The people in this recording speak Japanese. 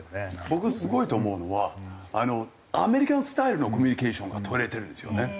僕すごいと思うのはアメリカンスタイルのコミュニケーションが取れてるんですよね。